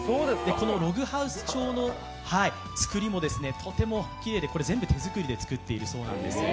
このログハウス調のつくりもとてもきれいで全部手作りで作っているそうなんです。